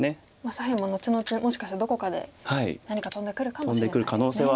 左辺も後々もしかしたらどこかで何か飛んでくるかもしれないですね。